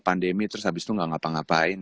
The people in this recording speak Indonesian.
pandemi terus habis itu gak ngapa ngapain